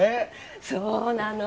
そうなの！